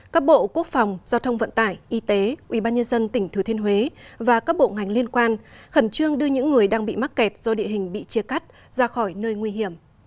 các bộ quốc phòng giao thông vận tải y tế ubnd tỉnh thừa thiên huế và các bộ ngành liên quan khẩn trương đưa những người đang bị mắc kẹt do địa hình bị chia cắt ra khỏi nơi nguy hiểm